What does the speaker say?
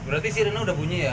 berarti sirena udah bunyi ya